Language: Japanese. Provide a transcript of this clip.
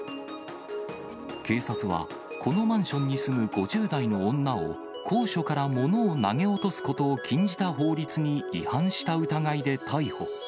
警察は、このマンションに住む５０代の女を高所から物を投げ落とすことを禁じた法律に違反した疑いで逮捕。